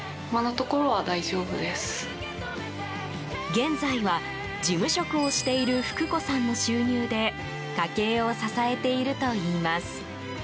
現在は、事務職をしている福子さんの収入で家計を支えているといいます。